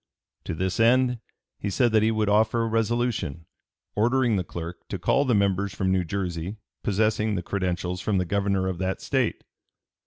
To this end he said that he would offer a resolution "ordering the clerk to call the members from New Jersey possessing the credentials from the Governor of that State."